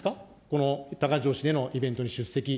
この多賀城市でのイベントに出席。